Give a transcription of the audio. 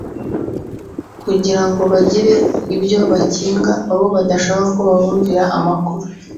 kugira ngo bagire ibyo bakinga abo badashaka ko babumvira amakuru